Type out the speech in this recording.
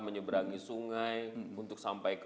menyeberangi sungai untuk sampai ke